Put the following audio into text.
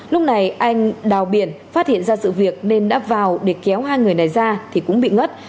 lúc này anh đào biển phát hiện ra sự việc nên đã vào để kéo hai người này ra thì cũng bị ngất